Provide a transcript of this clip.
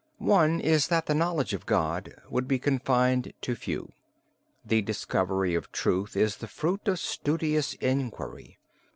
One is that the knowledge of God would be confined to few. The discovery of truth is the fruit of studious inquiry.